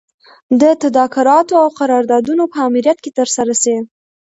د تدارکاتو او قراردادونو په امریت کي ترسره سي.